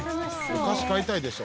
お菓子買いたいでしょ。